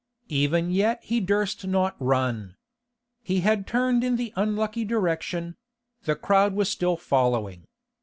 Even yet he durst not run. He had turned in the unlucky direction; the crowd was still following.